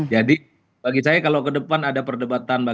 jadi bagi saya kalau ke depan ada perdebatan